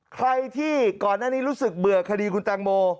ใครที่ก่อนหน้านี้รู้สึกเบื่อคดีคุณแตงโม